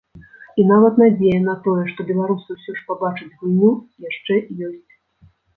І нават надзея на тое, што беларусы ўсё ж пабачаць гульню, яшчэ ёсць.